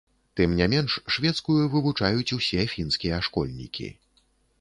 Тым не менш, шведскую вывучаюць усе фінскія школьнікі.